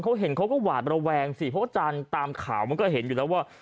เขาเห็นเขาก็หวาดระแวงสิเพราะอาจารย์ตามข่าวมันก็เห็นอยู่แล้วว่า